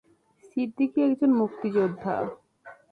সিদ্দিকী একজন মুক্তিযোদ্ধা।